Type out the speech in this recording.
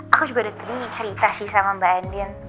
aku juga udah tadi cerita sih sama mbak andrian